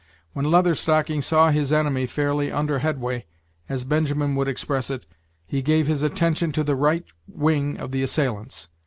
When Leather Stocking saw his enemy fairly under headway, as Benjamin would express it, he gave his attention to the right wing of the assailants.